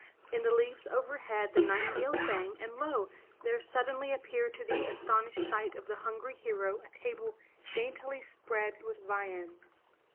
In the leaves overhead the nightingale sang, and lo! there suddenly appeared to the aston ished sight of the hungry hero a table daintly spread with viands.